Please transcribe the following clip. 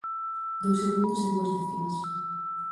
Dous segundos e dúas décimas.